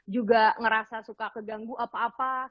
juga ngerasa suka keganggu apa apa